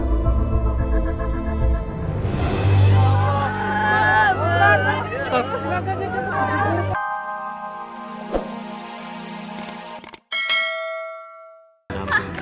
teman saya kecelakaan